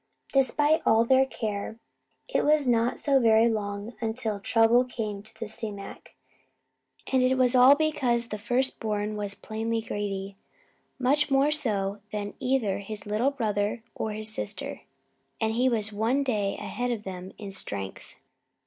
Despite all their care, it was not so very long until trouble came to the sumac; and it was all because the first born was plainly greedy; much more so than either his little brother or his sister, and he was one day ahead of them in strength.